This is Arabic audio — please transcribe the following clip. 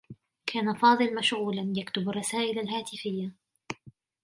كان فاضل مشغولا، يكتب الرّسائل الهاتفيّة.